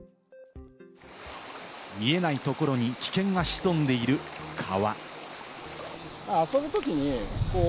見えないところに危険が潜んでいる川。